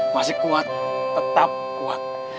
masih kuat tetap kuat